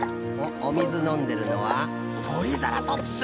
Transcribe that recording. おみずのんでるのはトリザラトプス。